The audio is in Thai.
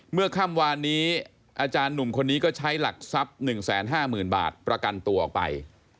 เมื่อค่ำวานนี้อาจารย์หนุ่มคนนี้ก็ใช้หลักทรัพย์๑๕๐๐๐บาทประกันตัวออกไป